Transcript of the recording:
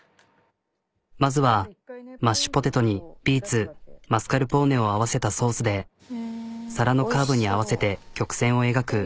まずはマッシュポテトにビーツマスカルポーネを合わせたソースで皿のカーブに合わせて曲線を描く。